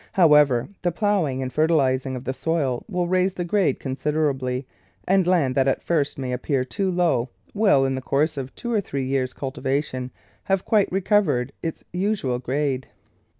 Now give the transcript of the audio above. However, the ploughing and fertilising of the soil will raise the grade consider ably, and land that at first may appear too low will, in the course of two or three years' cultiva tion, have quite recovered its usual grade.